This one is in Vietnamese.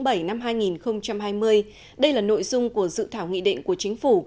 từ ngày một tháng bảy năm hai nghìn hai mươi đây là nội dung của dự thảo nghị định của chính phủ